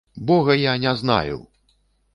Бога я не знаю!